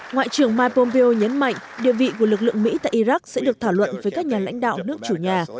ngoại trưởng mike pompeo nhấn mạnh địa vị của lực lượng mỹ tại iraq sẽ được thảo luận với các nhà lãnh đạo nước chủ nhà